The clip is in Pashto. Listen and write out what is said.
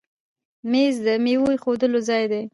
مېز د میوو ایښودلو ځای دی.